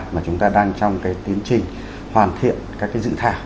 mà chúng ta đang trong cái tiến trình hoàn thiện các dự thảo